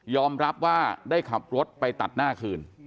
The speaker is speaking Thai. รับว่าได้ขับรถไปตัดหน้าคืน